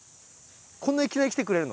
こんないきなり来てくれるの？